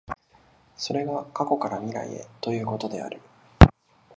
それが過去から未来へということである。